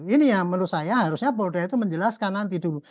ini ya menurut saya harusnya polda itu menjelaskan nanti dulu